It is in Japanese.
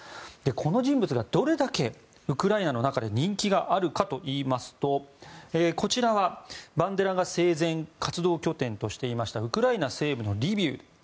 この人物がどれだけウクライナの中で人気があるかといいますとこちらはバンデラが生前、活動拠点としていましたウクライナ西部のリビウ